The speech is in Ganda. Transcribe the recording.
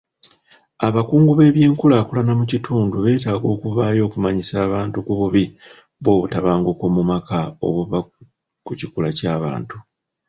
Abakungu b'ebyenkulaakulana mu kitundu beetaaga okuvaayo okumanyisa abantu ku bubi bw'obutabanguko mu maka obuva ku kikula ky'abantu.